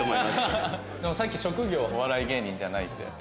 でもさっき職業お笑い芸人じゃないって。